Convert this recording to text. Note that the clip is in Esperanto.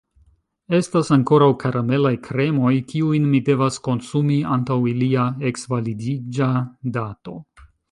Estas ankoraŭ karamelaj kremoj, kiujn mi devas konsumi antaŭ ilia eksvalidiĝa dato.